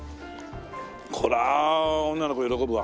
こりゃあ女の子喜ぶわ。